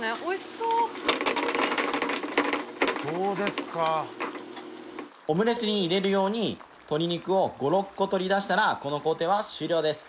そうですかオムレツに入れる用に鶏肉を５６個取り出したらこの工程は終了です